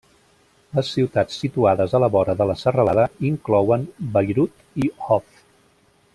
Les ciutats situades a la vora de la serralada inclouen Bayreuth i Hof.